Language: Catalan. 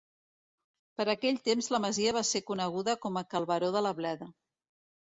Per aquell temps la masia va ser coneguda com a Cal Baró de la Bleda.